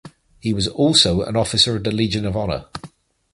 He was also an Officer of the Legion of Honour.